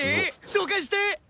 紹介して！